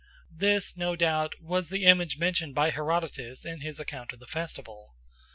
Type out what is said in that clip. This, no doubt, was the image mentioned by Herodotus in his account of the festival.